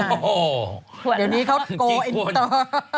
เดี๋ยวนี้เขาโก้เองต่อ